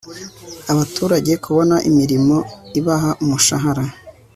abaturage kubona imirimo ibaha umushahara